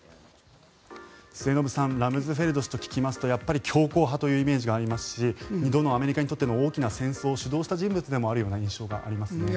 末延さん、ラムズフェルド氏と聞きますとやっぱり強硬派というイメージがありますし２度のアメリカにとっての大きな戦争を主導したような人物のイメージがありますね。